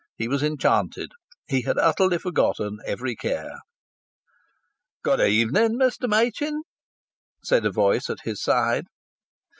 He was enchanted. He had utterly forgotten every care. "Good evening, Mr. Machin," said a voice at his side.